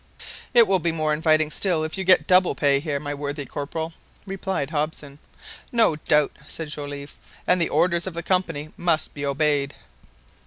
"It will seem more inviting still if you get double pay here, my worthy Corporal," replied Hobson. "No doubt," said Joliffe; "and the orders of the Company must be obeyed."